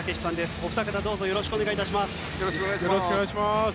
お二方、どうぞよろしくお願いいたします。